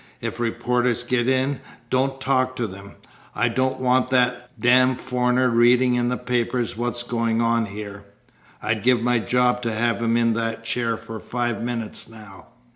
If reporters get in don't talk to them. I don't want that damned foreigner reading in the papers what's going on here. I'd give my job to have him in that chair for five minutes now."